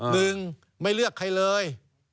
หนึ่งไม่เลือกใครเลย